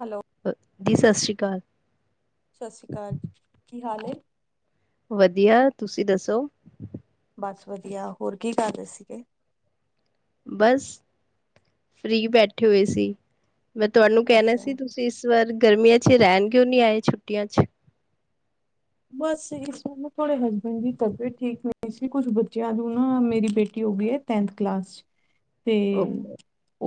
Hello. ਦੀ ਸਾਸਰੀਕਾਲ। ਸਾਸਰੀ ਕਾਲ ਕੀ ਹਾਲ ਏ? ਵਧੀਐ ਤੁਸੀ ਦੱਸੋ? ਬਸ ਵਧੀਆ ਹੋਰ ਕੀ ਕਰ ਰਏ ਸੀਗੇ? ਬਸ ਫਰੀ ਬੈਠੇ ਹੋਏ ਸੀ ਮੈਂ ਤੁਆਨੂੰ ਕੈਨਾ ਅੱਛਾ। ਸੀ ਤੁ ਇਸ ਵਾਰ ਗਰਮੀਆਂ ਚ ਰੈਨ ਕਿਓਂ ਨੀ ਆਏ ਛੁੱਟੀਆਂ ਚ? ਬਸ ਇਸ ਵਾਰ ਨਾ ਥੋੜੇ ਹਸਬੈਂਡ ਦੀ ਤਬੀਅਤ ਠੀਕ ਨਈ ਸੀ ਕੁਛ ਬੱਚਿਆਂ ਨੂੰ ਨਾ ਮੇਰੀ ਬੇਟੀ ਹੋ ਗੀ ਐ ਟੈਂਨਥ ਕਲਾਸ। ਚ, [inaudible] ਤੇ ਓਕੇ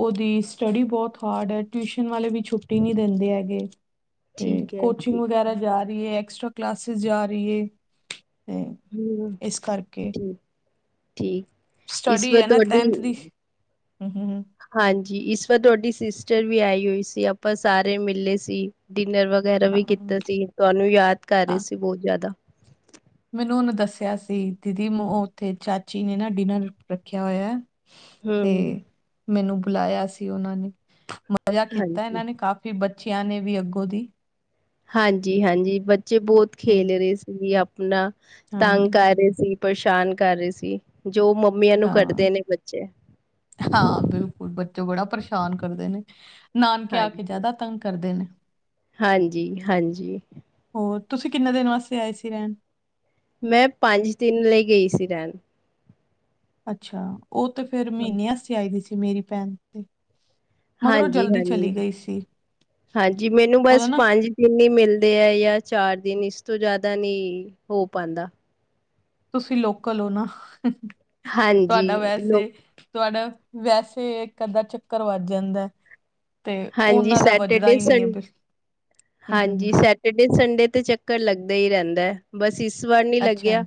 ਓਦੀ ਸਟੱਡੀ ਬੌਤ ਹਾਰਡ ਐ ਟਿਊਸ਼ਨ ਵਾਲੇ ਵੀ ਛੁੱਟੀ ਨੀ ਦਿੰਦੇ ਹੈਗੇ ਤੇ ਠੀਕ ਹੈ ਕੋਚਿੰਗ ਠੀਕ ਵਗੈਰਾ ਜਾ ਰੀ ਐ ਐਕਸਟ ਕਲਾਸਿਸ ਜਾ ਰੀ ਏ। ਤੇ [unintelligible] ਹਮ ਇਸ ਕਰਕੇ ਠੀਕ, ਠੀਕ। ਇਸ ਸਟੱਡੀ ਵਾਰ ਹੈ ਨਾ ਤੁਆਡੀ ਟੈਂਨਥ ਦੀ, ਹੂੰ-ਹੂੰ, ਹਾਂਜੀ ਇਸ ਵਾਰ ਤੁਆਡੀ ਸਿਸਟਰ ਵੀ ਆਈ ਹੋਈ ਸੀ ਆਪਾਂ ਸਾਰੇ ਮਿਲੇ ਸੀ। ਡਿਨਰ ਵਗੈਰਾ ਵੀ ਕੀਤਾ ਹਾਂ। ਸੀ ਤੁਆਨੂੰ ਯਾਦ ਕਰ ਰੇ ਸੀ ਬੌਤ ਜ਼ਿਆਦਾ। ਮੈਨੂੰ ਓਨੇ ਦੱਸਿਆ ਸੀ ਦੀਦੀ ਮ ਓਥੇ ਚਾਚੀ ਨੇ ਨਾ ਡਿਨਰ ਰੱਖਿਆ ਹੋਇਆ। ਹਮ ਤੇ ਮੈਨੂੰ ਬੁਲਾਇਆ ਸੀ ਉਨਾਂ ਨੇ ਮਜ਼ਾ ਕੀਤਾ ਹਾਂਜੀ ਇਨਾਂ ਨੇ ਕਾਫੀ ਕਿ ਬੱਚਿਆਂ ਨੇ ਵੀ ਅੱਗੋ ਦੀ ਹਾਂਜੀ-ਹਾਂਜੀ ਬੱਚੇ ਬੌਤ ਹਮ, ਖੇਲ ਰੇ ਸੀ ਆਪਨਾ ਤੰਗ ਹਾਂਜੀ ਕਰ ਰੇ ਸੀ। ਪਰੇਸ਼ਾਨ ਕਰ ਰੇ ਸੀ। ਜੋ ਮੰਮੀਆਂ ਨੂੰ ਹਾਂ ਕੱਢਦੇ ਨੇ ਬੱਚੇ ਹਾਂ ਬਿਲਕੁਲ ਬੱਚੇ ਬੜਾ ਪਰੇਸ਼ਾਨ ਕਰਦੇ ਨੇ ਨਾਨਕੇ ਆ ਕੇ ਹਾਂਜੀ। ਜਆਦਾ ਤੰਗ ਕਰਦੇ ਨੇ। ਹਾਂਜੀ-ਹਾਂਜੀ। ਹੋਰ ਤੁਸੀ ਕਿੰਨੇ ਦਿਨ ਵਾਸਤੇ ਆਏ ਸੀ ਰੈਣ? ਮੈਂ ਪੰਜ ਦਿਨ ਲਈ ਗਈ ਸੀ ਰੈਣ। ਅੱਛਾ, ਓਤੇ ਫੇਰ ਮੀਨੇ ਆਸਤੇ ਆਈ ਦੀ ਸੀ ਮੇਰੀ ਭੈਣ ਤੇ। ਮਗਰ ਉਹ ਜਲਦੀ ਹਾਂਜੀ-ਹਾਂਜੀ, ਚਲੀ ਗਈ ਸੀ ਹਾਂਜੀ ਮੈਨੂੰ ਉਹਦਾ ਬਸ ਨਾ ਪੰਜ ਦੀਨ ਇ ਮਿਲਦੇ ਏ ਯਾਂ ਚਾਰ ਦਿਨ ਇਸ ਤੋਂ ਜ਼ਿਆਦਾ ਨੀ ਹੋ ਪਾਂਦਾ। ਤੁਸੀਂ ਲੋਕਲ ਓ ਨਾ, ਹਾਂਜੀ ਤੁਆਡਾ ਵੈਸੇ ਲੋਕ ਈ ਤੋਆਡਾ ਵੈਸੇ ਏਕ ਅੱਧਾ ਚੱਕਰ ਵੱਜ ਜਾਂਦਾ। ਤੇ ਹਾਂਜੀ ਓਨਾਂ ਦਾ ਵੱਜਦਾ ਸੈਟਰਡੇ ਈ ਨੀਏ ਸੰ ਫੇਰ, [unintelligible] ਡੇ ਸੰਡੇ ਤੇ ਚੱਕਰ ਲੱਗਦਾ ਈ ਰੈਂਦਾ। ਬਸ, ਇਸ ਵਾਰ ਨੀ ਅੱਛਾ ਲੱਗਿਆ,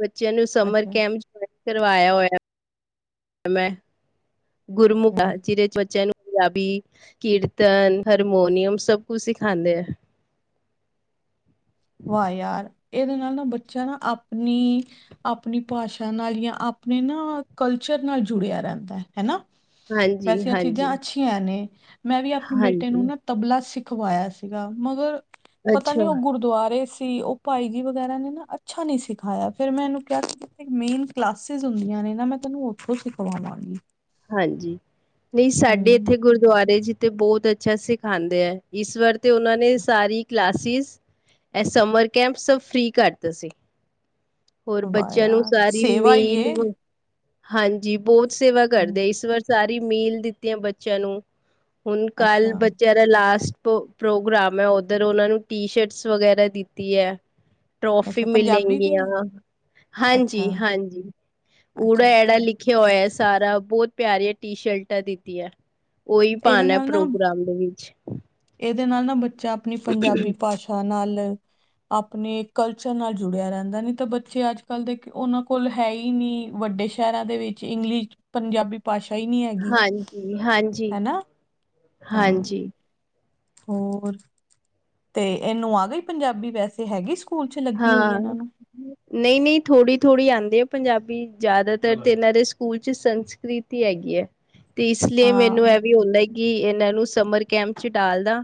ਬੱਚਿਆਂ ਨੂੰ ਸਮਰ ਅੱਛਾ ਕੈਂਪ ਜ ਕਰਵਾਇਆ ਹੋਯਾ। ਮੈਂ ਗੁਰੁਮੁਖ ਅੱਛਾ ਜੀਦੇ ਚ ਬੱਚਿਆਂ ਨੂੰ ਪੰਜਾਬੀ, ਕੀਰਤਨ, ਹਰਮੋਨੀਅਮ ਸਭ ਕੁਛ ਸਿਖਾਦੇਂ ਐ। ਵਾਹ ਯਾਰ, ਏਦੇ ਨਾਲ ਨਾ ਬੱਚਾ ਨਾ ਅਪਣੀ ਅਪਨੀ ਭਾਸ਼ਾ ਨਾਲ ਯਾਂ ਅਪਨੇ ਨਾ ਕਲਚਰ ਨਾਲ ਜੁੜਿਆ ਰੈਂਦਾ। ਹੈਨਾ? ਹਾਂਜੀ ਵੈਸੇ ਏ ਹਾਂਜੀ ਚੀਜ਼ਾਂ ਅੱਛੀਆਂ ਈਆਂ ਨੇ, ਮੈਂ ਵੀ ਆਪਣੇ ਬੇਟੇ ਨੂੰ ਹਾਂਜੀ ਨਾ ਤਬਲਾ ਸਿਖਵਾਇਆ ਸੀਗਾ ਮਗਰ ਪਤਾ ਨੀ ਅੱਛਾ ਓ ਗੁਰਦੁਆਰੇ ਸੀ, ਓ ਭਾਈ ਜੀ ਵਗੈਰਾ ਨੇ ਨਾ ਅੱਛਾ ਨੀਂ ਸਿਖਾਇਆ, ਫੇਰ ਮੈਂ ਏਨੂੰ ਕੇਯਾ ਮੈਂ ਏਨੂੰ ਕਲਾਸਿਸ ਹੁੰਦੀਆਂ ਨੇਨਾ, ਮੈਂ ਤੈਨੂੰ ਓਥੋਂ ਸਿਖਵਾਵਾਂਗੀ। ਹਾਂਜੀ, ਨਈਂ ਸਾਡੇ ਹੂੰ ਤੇ ਗੁਰਦੁਆਰੇ ਚ ਤੇ ਬੋਤ ਅੱਛਾ ਸਿਖਾਂਦੇ ਆ, ਇਸ ਵਾਰ ਤੇ ਓਨਾਂ ਨੇ ਸਾਰੀ ਕਲਾਸਿਸ ਐ ਸਮਰ ਕੈਂਪ ਸਭ ਫ੍ਰਰੀ ਕਰਤਾ ਸੀ। ਹੋਰ ਵਾਹ ਬੱਚਿਆਂ ਨੂੰ ਯਾਰ ਸਾਰੀ ਸੇਵਾ ਹੀ ਮੀਲ ਏ ਹਾਂਜੀ, ਬੋਤ ਸੇਵਾ ਕਰਦੇ ਹੂੰ ਆ ਇਸ ਵਾਰ ਸਾਰੀ ਮੀਲ ਦਿੱਤੀਆਂ ਬੱਚਿਆਂ ਨੂੰ। ਹੁਨ, ਕੱਲ ਅੱਛਾ ਬੱਚੇਆਂ ਦਾ ਲਾਸਟ ਪ੍ਰੋਗਰਾਮ ਐ, ਓਦਰ ਓਨਾਂ ਨੂੰ ਟੀ ਸ਼ਰਟਸ ਵਗੈਰਾ ਦਿੱਤੀ ਐ। ਟ੍ਰੋਫੀ ਅੱਛਾ ਪੰਜਾਬੀ ਦੀ ਮਿਲੇਗੀਆਂ ਅੱਛਾ ਹਾਂਜੀ-ਹਾਂਜੀ, ਅੱਛਾ ਉੜਾ-ਐਡਾ ਅੱਛਾ ਲਿਖ ਲੀਖਿਆ ਹੋਯਾ ਸਾਰਾ ਬੋਤ ਪਿਆਰੀਆ ਟੀ-ਸ਼ਰਟਾਂ ਦਿੱਤੀਆਂ। ਓਈ ਪਾਨਾ ਏ ਪ੍ਰੋਗਰਾਮ ਦੇ ਵਿੱਚ। ਏਦੇ ਨਾਲ ਨਾ ਬੱਚਾ ਅਪਨੀ ਪੰਜਾਬੀ ਭਾਸ਼ਾ ਨਾਲ ਅਪਨੇ ਕਲਚਰ ਨਾਲ ਜੁੜਿਆ ਰੈਂਦਾ, ਨੀ ਤਾਂ ਬੱਚੇ ਅੱਜ ਕੱਲ੍ਹ ਦੇ ਓਨਾਂ ਕੋਲ ਹੈਈ ਨੀਂ ਵੱਡੇ ਸ਼ੈਰਾ ਦੇ ਵਿੱਚ ਇੰਗਲਿਸ਼, ਪੰਜਾਬੀ ਭਾਸ਼ਾ ਹੀ ਨੀਂ ਐ। ਹਾਂਜੀ ਹਾਂਜੀ ਹੈਨਾ, ਹਾਂ। ਹਾਂਜੀ ਹੋਰ, ਤੇ ਏਨੂੰ ਆ ਗੀ ਪੰਜਾਬੀ ਵੈਸੇ, ਹੈਗੀ ਸਕੂ ਹਾਂ। ਨਈਂ-ਨਈਂ ਥੋੜੀ-ਥੋੜੀ ਆਂਦੀ ਏ ਪੰਜਾਬੀ ਜਾਦਾਤਰ ਤੇ ਏਨਾਂ ਦੇ ਸਕੂਲ ਚ ਸੰਸਕ੍ਰਿਤ ਈ ਹੈਗੀਏ, ਤੇ ਇਸ ਲਈ ਹਾਂ ਮੈਨੂੰ ਐ ਵੀ ਹੋਦਾ ਹੈ ਕਿ ਏਨਾਂ ਨੂੰ ਸਮਰ ਕੈਂਪ ਚ ਡਾਲਦਾ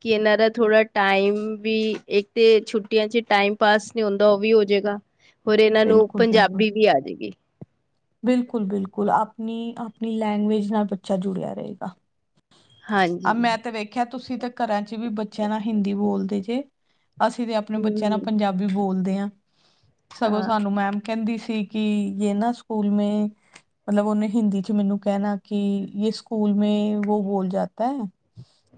ਕਿ ਏਨਾ ਦਾ ਥੋੜਾ ਟਾਈਮ ਵੀ ਇੱਕ ਤੇ ਛੁਟੀਆਂ ਚ ਟਾਈਮ ਪਾਸ ਨੀ ਹੁੰਦਾ ਓ ਵੀ ਹੋ ਜਾਏਗਾ, ਹੋਰ ਏਨਾਂ ਨੂੰ ਬਿਲਕੁਲ ਪੰਜਾਬੀ ਵੀ ਆ ਜੇਗੀ। ਬਿਲਕੁਲ-ਬਿਲਕੁਲ ਆਪਨੀ ਆਪਨੀ ਲੈਂਗੁਏਜ ਨਾਲ ਬੱਚਾ ਜੁੜਿਆ ਰਏਗਾ। ਆ, ਹਾਂਜੀ ਮੈਂ ਤੇ ਵੇਖਿਆ ਤੁਸੀਂ ਤਾਂ ਘਰਾਂ ਚ ਵੀ ਬੱਚਿਆਂ ਨਾਲ ਹਿੰਦੀ ਬੋਲਦੇ ਜੇ। ਅਸੀਂ ਤੇ ਅਪਨੇ ਬੱਚਿਆਂ ਨਾਲ ਹੂੰ ਪੰਜਾਬੀ ਬੋਲਦੇ ਆਂ, ਸਗੋਂ ਹਾਂ। ਸਾਨੂੰ ਮੈਮ ਕੈਂਦੀ ਸੀ, ਕਿ ਯੇ ਨਾ ਸਕੂਲ ਮੇਂ ਮਤਲਬ ਓਨੇ ਹਿੰਦੀ ਚ ਮੈਨੂੰ ਕੈਂਣਾ ਕਿ ਯੇ ਸਕੂਲ ਮ ਵੋ ਬੋਲ ਜਾਤਾ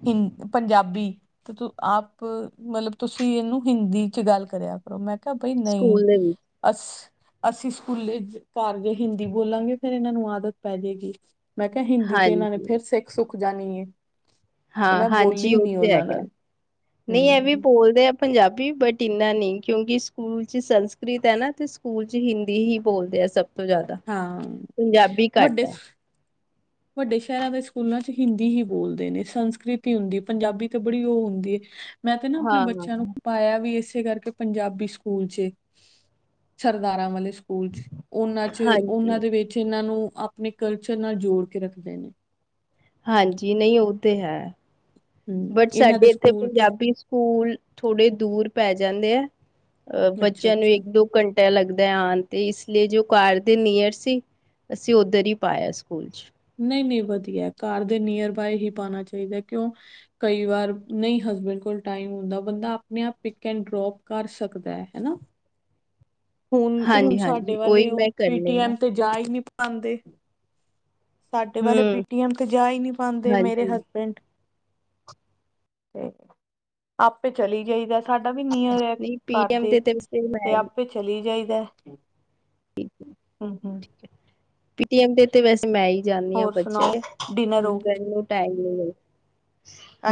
ਹਿੰ ਪੰਜਾਬੀ। ਤੇ ਆਪ ਮਤਲਬ ਤੁਸੀਂ ਇਨੂੰ ਹਿੰਦੀ ਚ ਗੱਲ ਕਰਿਆ। ਮੈਂ ਕਿਹਾ ਬਈ ਨਈ ਸਕੂਲ ਦੇ ਵਿੱਚ ਅਸ ਅਸੀਂ ਸਕੂਲੇ ਘਰ ਜੇ ਹਿੰਦੀ ਬੋਲਾਂਗੇ ਫੇਰ ਇਹਨਾਂ ਨੂੰ ਆਦਤ ਪੈ ਜੇਗੀ। ਮੈਂ ਕੇਆ ਹਿੰਦੀ ਤੇ ਇਹਨਾਂ ਨੇ ਹਾਂਜੀ ਫੇਰ ਸੇਖ ਸੁੱਖ ਜਾਨੀ ਏ ਹਾਂ ਹਾਂਜੀ ਉਹ ਤੇ ਹੈਗਾ, ਨਾਲ ਨੀ ਏਵੇ ਈ ਹਮ ਬੋਲਦੇ ਪੰਜਾਬੀ ਬਟ ਇੰਨਾ ਨੀ ਕਿਉਂਕਿ ਸਕੂਲ ਚ ਸੰਸਕ੍ਰਿਤ ਹੈ ਨਾ ਤੇ ਸਕੂਲ ਚ ਹਿੰਦੀ ਹੀ ਬੋਲਦੇ ਆ ਸਭ ਸਭ ਤੋਂ ਜ਼ਿਆਦਾ, ਹਾਂ ਪੰਜਾਬੀ ਘੱਟ ਵੱਡੇ ਹੈ। ਵੱਡੇ ਸ਼ਹਿਰਾਂ ਦੇ ਸਕੂਲਾਂ ਚ ਹਿੰਦੀ ਹੀ ਬੋਲਦੇ ਨੇ ਸੰਸਕ੍ਰਿਤ ਈ ਹੁੰਦੀ ਪੰਜਾਬੀ ਤੇ ਬੜੀ ਉਹ ਹੁੰਦੀ ਏ ਮੈਂ ਤੇ ਨਾ ਅਪਨੇ ਹਾਂ ਬੱਚਿਆਂ ਨੂੰ ਪਾਇਆ ਵੀ ਏਸੇ ਕਰਕੇ ਪੰਜਾਬੀ ਸਕੂਲ ਚ, ਸਰਦਾਰਾਂ ਵਾਲੇ ਸਕੂਲ ਚ ਉਹਨਾਂ ਚ ਹਾਂਜੀ ਉਹਨਾਂ ਦੇ ਵਿੱਚ ਉਹਨਾਂ ਨੂੰ ਆਪਨੇ ਕਲਚਰ ਨਾਲ ਜੋੜ ਕੇ ਰੱਖਦੇ ਨੇ। ਹਾਂਜੀ, ਨਈ ਉਹ ਤੇ ਹੈ ਹੂੰ ਬਟ ਇਹਨਾਂ ਦੇ ਸਾਡੇ ਏਥੇ ਸਕੂਲ ਚ ਪੰਜਾਬੀ ਸਕੂਲ, ਥੋੜੇ ਦੂਰ ਪੈ ਜਾਂਦੇ ਏ ਅਹ ਅੱਛਾ ਬੱਚਿਆਂ ਨੂੰ ਅੱਛਾ ਇੱਕ ਦੋ ਘੰਟਾ ਲੱਗਦਾ ਆਨ ਤੇ ਇਸ ਲਈ ਜੋ ਕਾਰ ਦੇ ਨੀਅਰ ਸੀ। ਅਸੀਂ ਉੱਧਰ ਈ ਪਾਇਆ ਸਕੂਲ ਚ ਨਈ ਨਈ ਵਧੀਏ, ਘਰ ਦੇ ਨੀਅਰ ਬਾਏ ਹੀ ਪਾਨਾ ਚਾਹੀਦੇ ਕਿਉਂ ਕਈ ਵਾਰ ਨਈ ਹਸਬੈਂਡ ਕੋਲ ਟਾਈਮ ਹੁੰਦਾ, ਬੰਦਾ ਆਪਨੇ ਆਪ ਪਿਕ ਐਂਡ ਡਰੋਪ ਕਰ ਸਕਦਾ ਹੈ, ਹੇਨਾ ਹੁਨ ਹੁਨ ਹਾਂਜੀ ਸਾਡੇ ਹਾਂਜੀ ਉਹੀ ਵਾਲੇ ਉਹ ਮੈਂ ਕਰਨੀ ਆ ਪੀਟੀਐਮ ਤੇ ਜਾ ਈ ਨੀ ਪਾਦੇ ਸਾਡੇ ਵਾਲੇ ਹਮ ਪੀਟੀਐਮ ਤੇ ਜਾ ਈ ਨੀ ਪਾਂਦੇ, ਮੇਰੇ ਹਾਂਜੀ ਹਸ ਆਪੇ ਚਲੀ ਜਾਈਦੇ ਸਾਡਾ ਵੀ ਨੀ ਨੀਅਰ ਏ ਨਹੀਂ ਪੀਟੀਐਮ ਕਰਦੇ, ਤੇ ਤੇ ਵੈਸੇ ਤੇ ਮੈਂ ਆਪੇ ਚਲੀ ਜਾਈਦੇ ਹੂ ਹੂ ਪਟੀਐਮ ਦੇ ਤੇ ਵੈਸੇ ਮੈਂ ਈ ਜਾਨੀ ਆ ਹੋਰ ਬੱਚਿਆਂ ਸੁਣਾਓ ਡਿਨਰ ਹੋ ਦੇ ਟਾਈਮ ਨੀ ਏ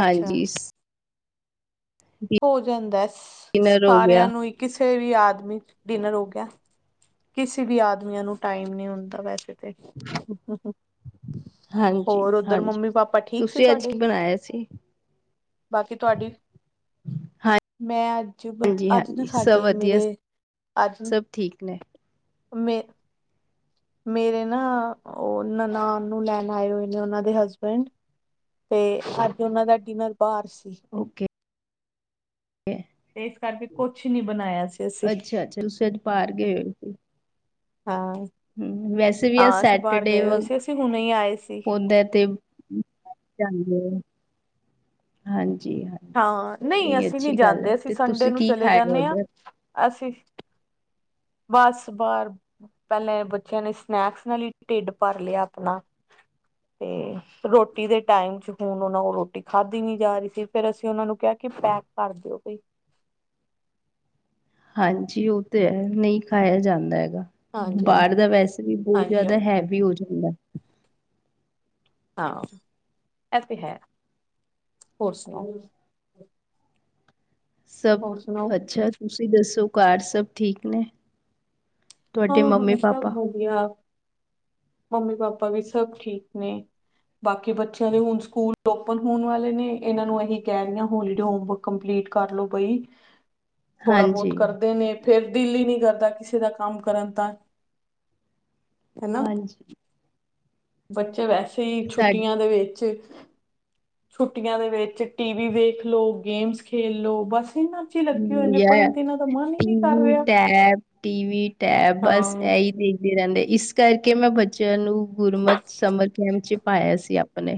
ਅੱਛਾ ਹੋ ਜਾਂਦੇ, ਡਿਨਰ ਹੋ ਸਾਰਿਆਂ ਗਿਆ ਨੂੰ ਈ ਕਿਸੇ ਵੀ ਆਦਮੀ ਚ, ਡਿਨਰ ਹੋ ਗਿਆ ਕਿਸੇ ਵੀ ਆਦਮੀਆਂ ਨੂੰ ਟਾਈਮ ਨੀ ਹੁੰਦਾ ਵੈਸੇ ਤੇ। ਹਾਂਜੀ ਹੋਰ, ਉੱਧਰ ਹਾਂਜੀ ਮੰਮੀ ਪਾਪਾ ਠੀਕ ਸੀ ਤੁਸੀਂ ਅੱਜ ਤੁਹਾਡੇ? ਕੀ ਬਣਾਇਆ ਸੀ ਬਾਕੀ ਤੁਹਾਡੀ ਹਾਂ ਮੈਂ ਅੱਜ ਬ ਅੱਜ ਨਾ ਸਾਡੇ ਵਧੀਆ ਮੇਰੇ ਅੱਜ ਸਭ ਠੀਕ ਨੇ ਮੇ ਮੇਰੇ ਨਾ ਉਹ ਨਨਾਨ ਨੂੰ ਲੈਨ ਆਏ ਹੋਏ ਨੇ, ਉਹਨਾਂ ਦੇ ਹਸਬੈਂਡ ਤੇ ਅੱਜ ਉਹਨਾਂ ਦਾ ਡਿਨਰ ਬਾਰ ਸੀ। ਓਕੇ ਏਸ ਕਰਕੇ ਕੋਛ ਨੀ ਬਨਾਇਆ ਸੀ ਅਸੀਂ [unintelligible] ਤੁਸੀਂ ਅੱਜ ਪਾਰ ਗੇ ਹੋਏ ਸੀ। ਹਾਂ ਹਮ, ਵੈਸੇ ਵੀ ਆਜ ਹਾਂ ਅਸੀਂ ਬਾਹਰ ਸੈਟਰਡੇ ਗਏ ਵ, ਹੋਏ ਸੀ ਅਸੀਂ ਹੁਣੇ ਹੀ ਆਏ ਸੀ। ਹੁੰਦਾ ਤੇ [unintelligible] ਹਾਂਜੀ ਹਾਂ। ਹਾਂ ਨਹੀਂ, ਅਸੀਂ ਨੀ ਜਾਂਦੇ ਅਸੀਂ ਸੰਡੇ ਤੁਸੀਂ ਨੂੰ ਕੀ ਚਲੇ ਖਾਇਆ ਜਾਨੇ ਆ, ਉੱਧਰ? ਅਸੀਂ ਬਸ ਬਾਰ, ਪਹਿਲੇ ਬੱਚਿਆਂ ਨੇ ਸਨੈਕਸ ਨਾਲ ਹੀ ਢਿੱਡ ਭਰ ਲਿਆ ਅਪਨਾ ਹ। ਤੇ ਰੋਟੀ ਦੇ ਟਾਈਮ ਚ ਹੁਣ ਉਹਨਾਂ ਕੋਲੋਂ ਰੋਟੀ ਖਾਧੀ ਨੀ ਜਾ ਰਹੀ ਸੀ, ਫਿਰ ਅਸੀਂ ਉਹਨਾਂ ਨੂੰ ਕਿਹਾ ਕਿ ਪੈਕ ਕਰ ਦਓ ਬਈ ਹਾਂਜੀ, ਉਹ ਤੇ ਹੈ ਨਈ ਖਾਇਆ ਜਾਂਦਾ ਹੈਗਾ। ਹਾਂਜੀ ਬਾਰ ਹਾਂਜੀ ਦਾ ਵੈਸੇ ਵੀ ਬਹੁ ਹਾਂਜੀ ਜਾਦਾ ਹਾਂਜੀ ਹੈਵੀ ਹੋ ਜਾਂਦਾ। ਹਾਂ ਐ ਤੇ ਹੈ, ਹੋਰ ਸੁਨਾਓ ਸਬ ਹੋਰ ਸੁਣਾਓ ਅੱਛਾ ਤੁਸੀਂ ਦੱਸੋ ਘਰ ਸਬ ਠੀਕ ਨੇ। ਤੁਹਾਡੇ ਹਾਂ-ਹਾਂ ਸਬ ਮੰਮੀ-ਪਾਪਾ? ਵਦੀਆ, ਮੰਮੀ ਪਾਪਾ ਵੀ ਸਬ ਠੀਕ ਨੇ। ਬਾਕੀ ਬੱਚਿਆਂ ਦੇ ਹੁਨ ਸਕੂਲ ਓਪਨ ਹੋਣ ਵਾਲੇ ਨੇ ਏਨਾਂ ਨੂੰ ਏਹੀ ਕੈ ਰਈ ਆਂ ਹੋਲੀਡੇ ਹੋਮਵਰਕ ਕੰਪਲੀਟ ਕਰ ਲੋ ਬਈ। ਹ। ਥੋੜਾ ਬੋਤ ਕਰਦੇ ਨੇ, ਫੇਰ ਦਿਲ ਈ ਨੀ ਕਰਦਾ ਕਿਸੇ ਦਾ ਕੰਮ ਕਰਨ ਦਾ। ਹੈਨਾ। ਬੱਚੇ ਵੈਸੇ ਈ ਸਾ ਛੁੱਟੀਆਂ ਦੇ ਵਿੱਚ ਛੁੱਟੀਆਂ ਦੇ ਵਿੱਚ ਟੀ ਵੀ ਵੇਖ ਲੋ ਗੇਮਸ ਖੇਲ ਲੋ ਬਸ ਏਨਾ ਹੂੰ ਯੇ ਕਰ ਟੀਵੀ ਰਿਹਾ ਟੈਪ ਟੀਵ ਟੈਪ ਬਸ ਹਾਂ ਐਈ ਤੇ ਦੇ ਰੈਂਦੇ ਇਸ ਕਰਕੇ ਮੈਂ ਬੱਚੇਆਂ ਨੂੰ ਗੁਰਮਤ ਸਮਰ ਕੈਂਪ ਚ ਪਾਏਆ ਸੀ ਆਪ ਆਪਨੇ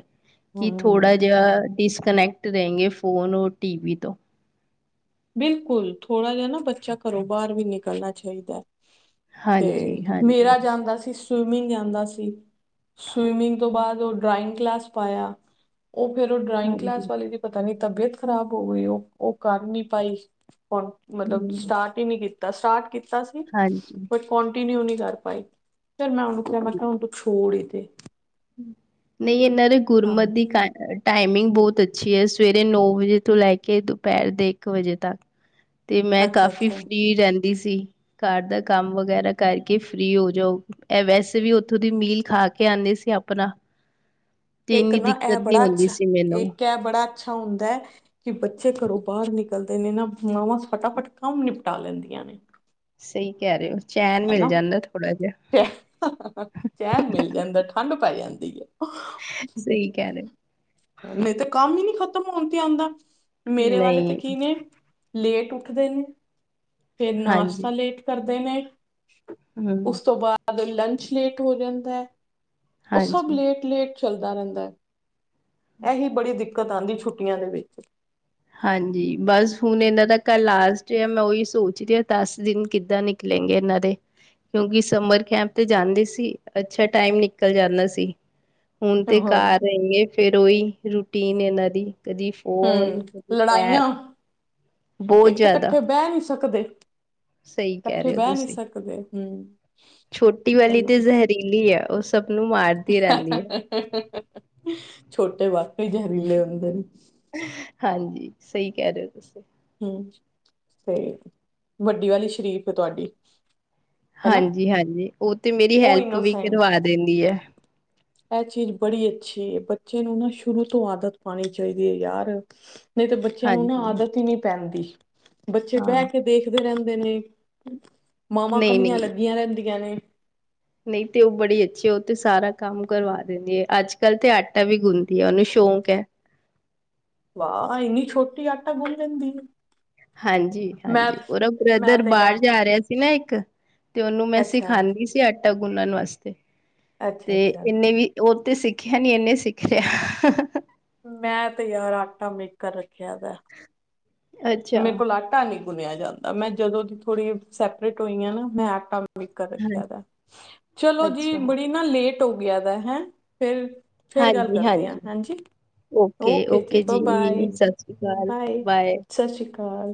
ਕੇ ਥੋੜਾ ਹਮ ਜਿਆ ਡਿਸਕਨੈਕਟ ਰਅੇਂਗੇ ਫੋਨ ਔਰ ਟੀ ਵੀ ਤੋਂ। ਬਿਲਕੁਲ ਥੋੜਾ ਜਾ ਨਾ ਬੱਚਾ ਘਰੋਂ ਬਾਰ ਵੀ ਨਿਕਲਨਾ ਚਾਈਦੈ। ਤੇ ਹਾਂਜੀ ਹਾਂਜੀ ਮੇਰਾ ਜਾਂਦਾ ਸੀ ਸਵੀਮਿੰਗ ਜਾਂਦਾ ਸੀ, ਸਵੀਮਿੰਗ ਤੋਂ ਬਾਦ ਓ ਡਰਾਇੰਗ ਕਲਾਸ ਪਾਏਆ, ਓ ਫੇਰ ਓ ਡਰਾਇੰਗ ਕਲਾਸ ਹਾਂਜੀ ਵਾਲੇ ਦੀ ਪਤਾ ਨੀ ਤਬੀਅਤ ਖਰਾਬ ਹੋ ਗਈ ਓ ਓ ਕਰ ਨੀ ਪਾਈ ਹੁਨ ਮਤਲਬ ਹਮ ਸਟਾਟ ਕੀਤਾ ਸਟਾਟ ਕੀਤਾ ਸੀ ਹਾਂਜੀ ਬਟ ਕੋਂਟੀਨਿਊ ਨੀ ਕਰ ਪਾਈ, ਫਿਰ ਮੈਂ ਓਨੂੰ ਮੈਂ ਕਿਆ ਹੁਨ ਤੂੰ ਛੋੜ ਈ ਦੇ। ਨਈਂ ਏਨਾਂ ਦੇ ਹਾਂ ਗੁਰਮਤ ਦੀ ਕੱਟ ਐ। ਟਾਈਮਿੰਗ ਬੋਤ ਅੱਛੀ ਐ ਸਵੇਰੇ ਨੌ ਵਜੇ ਤੋਂ ਲੈ ਕੇ ਦੁਪੈਰ ਦੇ ਇੱਕ ਵਜੇ ਤੱਕ ਗਏ। ਤੇ ਮੈਂ ਅੱਛਾ ਕਾਫ਼ੀ ਅੱਛਾ ਫਰੀ ਰੈਂਦੀ ਸੀ, ਘਰ ਦਾ ਕੰਮ ਵਗੈਰਾ ਕਰਕੇ ਫਰੀ ਹੋ ਜਾਊ। ਐ ਵੈਸੇ ਵੀ ਓਥੇ ਦੀ ਮੀਲ ਖਾ ਕੇ ਆਂਦੇ ਸੀ ਆਪਨਾ। ਇੱਕ ਨਾ ਐ ਬੜਾ ਅੱਛਾ, ਇੱਕ ਐ ਬੜਾ ਅੱਛਾ ਹੁੰਦਾ। ਕੇ ਬੱਚੇ ਘਰੋਂ ਬਾਰ ਨਿਕਲਦੇ ਨੇ ਨਾ ਮਾਵਾਂ ਫਟਾਫਟ ਕੰਮ ਨਿਪਟਾ ਲੈਂਦੀਆਂ ਨੇ। ਸਈ ਕੈ ਰਏ ਓਂ, ਚੈਨ ਮਿਲ ਜਾਂਦਾ ਥੋੜਾ ਜਿਆ। ਚੈ ਚੈਨ ਮਿਲ ਜਾਂਦਾ ਠੰਡ ਪੈ ਜਾਂਦੀ ਐ। ਸਹੀ ਕਹਿ ਰਹੇ ਨਈ ਤੇ ਕੰਮ ਈ ਨਈ ਖਤਮ ਹੋਨ ਤੇ ਆਂਦਾ। ਹੋ। ਮੇਰੇ ਵਾਲੇ ਤੇ ਨਹੀਂ ਕੀ ਨੇ ਲੇਟ ਉੱਠਦੇ ਨੇ, ਫੇਰ ਹਾਂਜੀ ਨਾਸ਼ਤਾ ਲੇਟ ਕਰਦੇ ਨੇ, ਹਮ ਉਸ ਤੋਂ ਬਾਦ ਲੰਚ ਲੇਟ ਹੋ ਜਾਂਦੈ। ਓ ਸਬ ਹਾਂਜੀ। ਲੇਟ-ਲੇਟ ਚੱਲਦਾ ਰੈਂਦੈ। ਐਹੀ ਬੜੀ ਦਿੱਕਤ ਆਂਦੀ ਛੁੱਟੀਆਂ ਦੇ ਵਿੱਚ। ਹਾਂਜੀ, ਬਸ ਹੁਨ ਏਨਾਂ ਦਾ ਕੱਲ ਲਾਸਟ ਏ ਮੈਂ ਓਈ ਸੋਚਦੀ ਆਂ ਦਸ ਦਿਨ ਕਿੱਦਾਂ ਨਿਕ ਲੈਂਗੇ ਏਨਾਂ ਦੇ ਕਿਓਂਕਿ ਸਮਰ ਕੈਂਪ ਤੇ ਜਾਂਦੇ ਸੀ, ਅੱਛਾ ਟਾਈਮ ਨਿਕਲ ਜਾਂਦਾ ਸੀ। ਹੁਨ ਹਾਂ ਤੇ ਘਰ ਰੈਨਗੇ ਫਿਰ ਓਈ ਰੂਟੀਨ ਐ ਏਨਾਂ ਦੀ ਕਦੀ ਫੋਨ ਹਮ ਬੈ ਲੜਾਈਆਂ ਬਹੁ ਜਾਦਾ ਬੈ ਨੀ ਸਕਦੇ, ਕਹਿ ਕੱਠੇ ਰਹੇ ਹੋ ਬੈ ਨੀ ਤੁਸੀਂ ਸਕਦੇ ਹੂੰ ਛੋਟੀ ਵਾਲੀ ਤੇ ਜ਼ਹਰੀਲੀ ਐ ਓ ਸਬ ਨੂੰ ਮਾਰ ਛੋਟੇ ਵਾਕਈ ਜ਼ਹਰੀਲੇ ਹੁੰਦੇ ਨੇ। ਹਾਂਜੀ, ਸਈ ਕੈ ਰਏ ਓਂ ਤੁਸੀਂ। ਹੂੰ, ਤੇ ਵੱਡੀ ਵਾਲੀ ਸ਼ਰੀਫ ਐ ਤੁਹਾਡੀ। ਹੈਨਾ ਹਾਂਜੀ -ਹਾਂਜੀ, ਓ ਤੇ ਮੇਰੀ ਉਹ ਹੈਲਪ ਵੀ ਕਰਵਾ ਦਿੰਦੀ ਐ। ਐ ਚੀਜ਼ ਬੜੀ ਅੱਛੀ ਐ ਬੱਚੇ ਨੂੰ ਨਾ ਸ਼ੁਰੂ ਤੋਂ ਆਦਤ ਪਾਨੀ ਚਾਈਦੀ ਐ ਯਾਰ। ਨਹੀਂ ਤਾਂ ਬੱਚਿਆਂ ਨੂੰ ਨਾ ਹਾਂਜੀ ਆਦਤ ਹੀ ਨਹੀਂ ਪੈਂਦੀ, ਬੱਚੇ ਬਹਿ ਹਾਂ ਕੇ ਦੇਖਦੇ ਰਹਿੰਦੇ ਨੇ, ਮਾਵਾਂ ਨਹੀਂ ਕੱਲੀਆਂ ਨਹੀਂ ਲੱਗੀਆਂ ਰਹਿੰਦੀਆਂ ਨੇ। ਨਹੀਂ ਤੇ, ਉਹ ਬੜੀ ਅੱਛੀ, ਉਹ ਤੇ ਸਾਰਾ ਕੰਮ ਕਰਵਾ ਦਿੰਦੀ ਹੈ। ਅੱਜ- ਕੱਲ੍ਹ ਤੇ, ਆਟਾ ਵੀ ਗੁੰਦੀ ਹੈ। ਉਹਨੂੰ ਸ਼ੌਂਕ ਹੈ। ਵਾਹ, ਇੰਨੀ ਛੋਟੀ ਆਟਾ ਗੁੰਨ ਲੈਂਦੀ ਆ। ਹਾਂਜੀ -ਹਾਂਜੀ, ਉਹਦਾ ਮੈਂ ਬ੍ਰਦਰ ਤੇ ਬਾਹਰ ਯਾਰ ਜਾ ਰਿਹਾ ਸੀ ਨਾ ਇੱਕ ਤੇ ਉਹਨੂੰ ਮੈਂ ਅੱਛਾ ਸਿਖਾਉਂਦੀ ਸੀ ਆਟਾ ਗੁੰਨਣ ਵਾਸਤੇ, ਅੱਛਾ ਤੇ ਅੱਛਾ ਇਹਨੇ ਵੀ ਉਹ ਤੇ ਸਿੱਖਿਆ ਨੀ, ਇਹਨੇ ਸਿੱਖ ਲਿਆ। ਮੈਂ ਤੇ ਯਾਰ, ਆਟਾ ਮੇਕਰ ਰੱਖਿਆ ਵੈ। [unintelligible] ਅੱਛਾ। ਮੇਰੇ ਕੋਲ ਆਟਾ ਨੀ ਗੁਣਿਆ ਜਾਂਦਾ। ਮੈਂ ਜਦੋਂ ਦੀ ਥੋੜ੍ਹੀ ਸੈਪਰੇਟ ਹੋਈ ਆ ਨਾ, ਮੈਂ ਆਟਾ ਮੇਕਰ ਹਾਂ ਰੱਖਿਆ ਦਾ। ਚਲੋ ਜੀ, ਅੱਛਾ ਬੜੀ ਨਾ ਲੇਟ ਹੋ ਗਿਆ ਦਾ, ਹੈ ਫਿਰ ਫਿਰ ਗੱਲ ਕਰਦੇ ਹਾਂ। ਹਾਂਜੀ-ਹਾਂਜੀ ਹਾਂਜੀ ਓਕੇ ਜੀ, ਬਬਏ ਸਤਿ ਸ਼੍ਰੀ ਅਕਾਲ ਬਾਏ, ਸਤਿ ਸ਼੍ਰੀ ਅਕਾਲ।